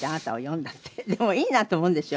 でもいいなと思うんですよ。